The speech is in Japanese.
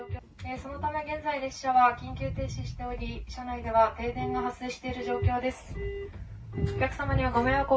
そのため現在緊急停止しており車内では停電が発生している状況です。